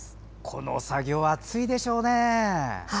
この作業は暑いでしょうね。